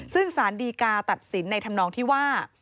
ซึ่งสารดีกาตัดสินในธรรมนองที่ว่า